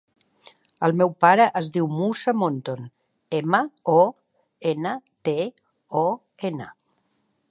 El meu pare es diu Moussa Monton: ema, o, ena, te, o, ena.